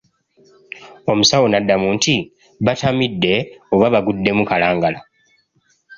Omusawo n'addamu nti batamidde oba baguddemu kalangala!